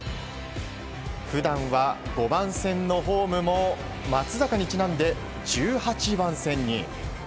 普段は５番線のホームも松坂にちなんで１８番線に。